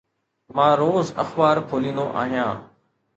مان روز اخبار کوليندو آهيان.